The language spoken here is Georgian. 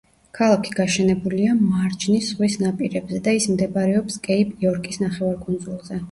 ქალაქი გაშენებულია მარჯნის ზღვის ნაპირებზე და ის მდებარეობს კეიპ-იორკის ნახევარკუნძულზე.